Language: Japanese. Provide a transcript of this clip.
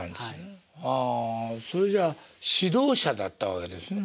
ああそれじゃあ指導者だったわけですね？